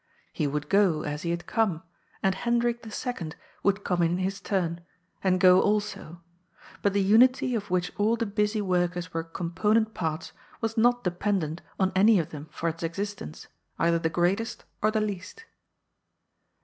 He would go, as he had come, and Hendrik II. would come in his turn, and go also, but the unity of which all the busy workers were component parts was not dependent on any of them for its existence, either the greatest or the least.